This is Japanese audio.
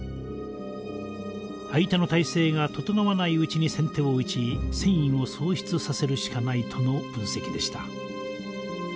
相手の態勢が整わないうちに先手を打ち戦意を喪失させるしかないとの分析でした。